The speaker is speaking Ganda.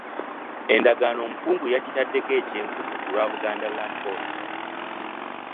Endagaano omukungu yagitaddeko ekinkumu ku lwa Buganda Land Board.